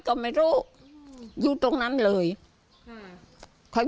กังฟูเปล่าใหญ่มา